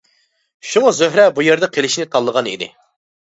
شۇڭا زۆھرە بۇ يەردە قىلىشنى تالىغان ئىدى.